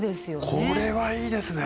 これはいいですね。